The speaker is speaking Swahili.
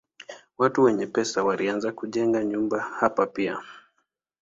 Watu wenye pesa wameanza kujenga nyumba hapa pia.